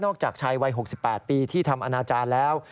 จากชายวัย๖๘ปีที่ทำอนาจารย์แล้ว